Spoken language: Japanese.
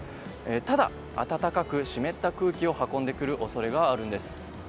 ただ、暖かく湿った空気を運んでくる恐れがあります。